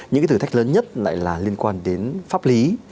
những cái thử thách lớn nhất lại là liên quan đến pháp lý